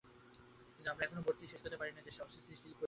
কিন্তু আমরা এখনো ভর্তিই শেষ করে পারিনি দেশের অস্থিতিশীল পরিস্থিতির জন্য।